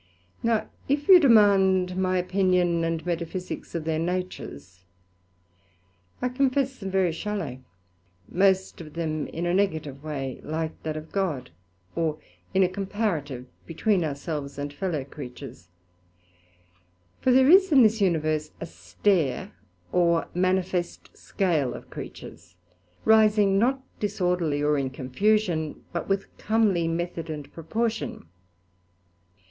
Now if you demand my opinion and Metaphysicks of their natures, I confess them very shallow, most of them in a negative way, like that of God; or in a comparative, between our selves and fellow creatures; for there is in this Universe a Stair, or manifest Scale of creatures, rising not disorderly, or in confusion, but with a comely method and proportion.